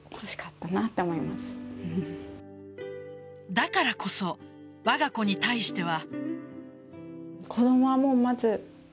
だからこそ、わが子に対しては。